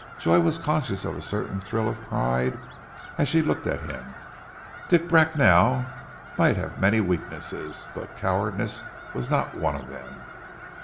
Joy was conscious of a certain thrill of pride as she looked at him. Dick Bracknell might have many weaknesses, but cowardice was not one of them.